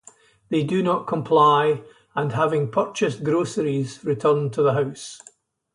They do not comply and, having purchased groceries, return to the house.